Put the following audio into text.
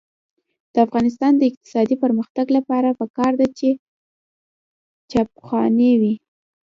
د افغانستان د اقتصادي پرمختګ لپاره پکار ده چې چاپخونې وي.